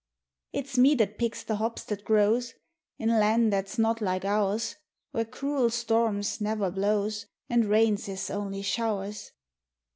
It's me that picks the hops that grows In lan' that's not like ours ; Where cruel storrums never blows, And rains is only showers.